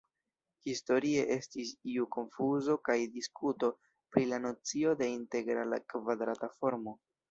Historie estis iu konfuzo kaj diskuto pri la nocio de integrala kvadrata formo.